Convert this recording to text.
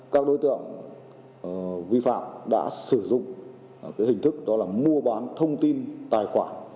các đối tượng vi phạm đã sử dụng hình thức đó là mua bán thông tin tài khoản